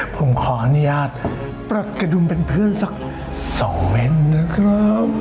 ผมขออนุญาตปลดกระดุมเป็นเพื่อนสัก๒เว้นนะครับ